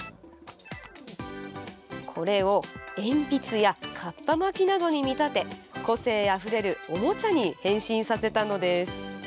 これを鉛筆やかっぱ巻きなどに見立て個性あふれるおもちゃに変身させたのです。